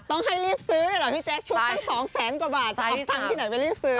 ต้องให้รีบซื้อเลยเหรอพี่แจ๊คชุดตั้ง๒แสนกว่าบาทจะเอาตังค์ที่ไหนไม่รีบซื้อ